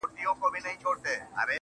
دا ستا خبري مي د ژوند سرمايه.